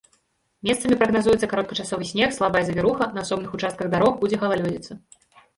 Месцамі прагназуецца кароткачасовы снег, слабая завіруха, на асобных участках дарог будзе галалёдзіца.